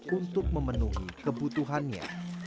untuk memenuhi kebutuhannya